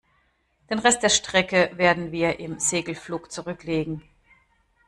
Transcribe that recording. Den Rest der Strecke werden wir im Segelflug zurücklegen.